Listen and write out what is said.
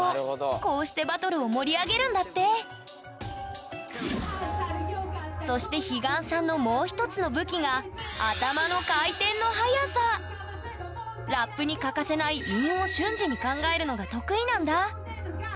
こうしてバトルを盛り上げるんだってそして彼岸さんのもう一つの武器がラップに欠かせない「韻」を瞬時に考えるのが得意なんだ！